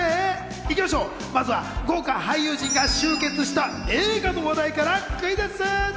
行きましょう、まずは豪華俳優陣が集結した映画の話題からクイズッス！